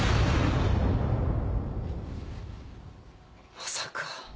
まさか。